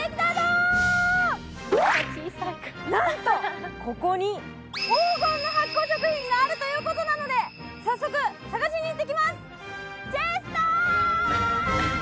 なんとここに黄金の発酵食品があるということなので早速探しに行ってきます！